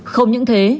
không những thế